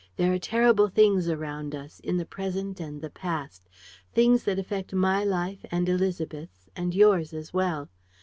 There are terrible things around us, in the present and the past, things that affect my life and Élisabeth's ... and yours as well.